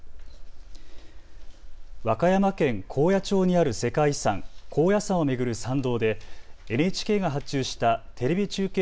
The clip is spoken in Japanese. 和歌山県高野町にある世界遺産、高野山を巡る参道でＮＨＫが発注したテレビ中継